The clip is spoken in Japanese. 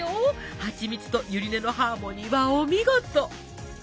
ハチミツとゆり根のハーモニーはお見事！